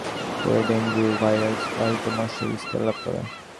বর্ষার শুরুতে সেগুলো থেকে নতুন করে ডেঙ্গু ভাইরাসবাহিত মশা বিস্তার লাভ করে।